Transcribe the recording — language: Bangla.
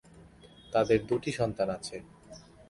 তাদের দুটি সন্তান আছে।